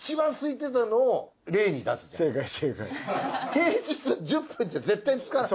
平日１０分じゃ絶対着かない。